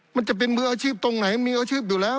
มันจะเป็นมืออาชีพตรงไหนมีอาชีพอยู่แล้ว